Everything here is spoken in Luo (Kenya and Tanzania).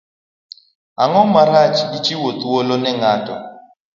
Ang'o marach gi chiwo thuolo ne ng'ato?